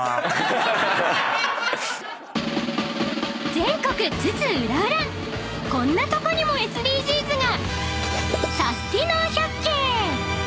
［全国津々浦々こんなとこにもＳＤＧｓが！］